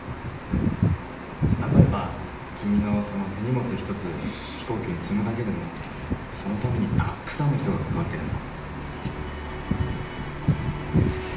じゃあ例えば君のその手荷物一つ飛行機に積むだけでもそのためにたくさんの人が関わってるんだ。